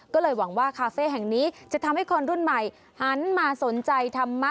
ก็เลยหวังว่าคาเฟ่แห่งนี้จะทำให้คนรุ่นใหม่หันมาสนใจธรรมะ